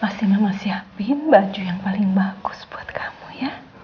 pasti mama siapin baju yang paling bagus buat kamu ya